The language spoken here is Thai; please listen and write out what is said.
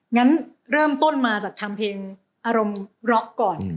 งั้นเริ่มต้นมาจากทำเพลงอารมณ์ร็อกก่อน